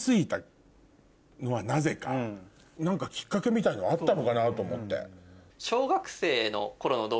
何かきっかけみたいなのあったのかなと思って。